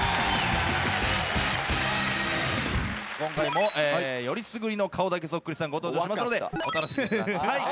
今回もよりすぐりの顔だけそっくりさんご登場しますのでお楽しみください。